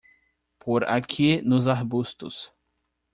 Por aqui nos arbustos.